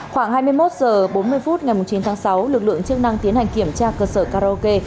khoảng hai mươi một h bốn mươi phút ngày chín tháng sáu lực lượng chức năng tiến hành kiểm tra cơ sở karaoke